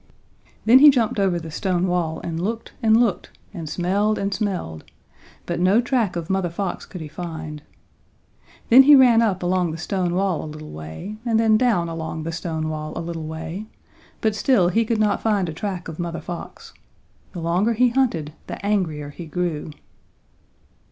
Then he jumped over the stone wall and looked, and looked, and smelled, and smelled, but no track of Mother Fox could he find. Then he ran up along the stone wall a little way, and then down along the stone wall a little way, but still he could not find a track of Mother Fox. The longer he hunted, the angrier he grew.